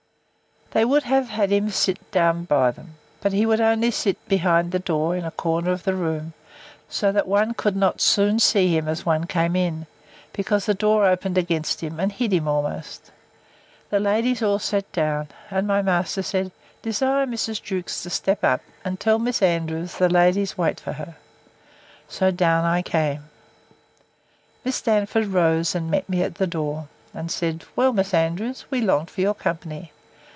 They would have had him sit down by them; but he would only sit behind the door, in the corner of the room, so that one could not soon see him as one came in; because the door opened against him, and hid him almost. The ladies all sat down; and my master said, Desire Mrs. Jewkes to step up, and tell Mrs. Andrews the ladies wait for her. So down I came. Miss Darnford rose, and met me at the door, and said, Well, Miss Andrews, we longed for your company.